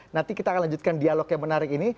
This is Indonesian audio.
nanti kita akan lanjutkan dialog yang menarik ini